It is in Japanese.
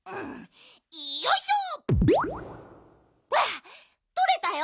よいしょ！はあとれたよ